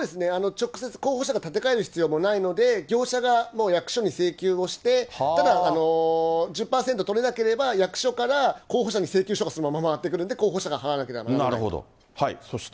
直接、候補者が立て替える必要もないので、業者が役所に請求をして、ただ、１０％取れなければ、役所から候補者に請求書がそのまま回ってくるんで、候補者が払わそして。